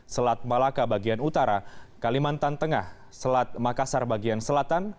selat malaka bagian utara kalimantan tengah selat makassar bagian selatan